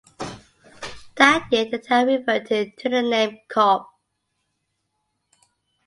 That year the town reverted to the name Cobh.